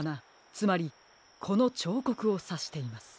つまりこのちょうこくをさしています。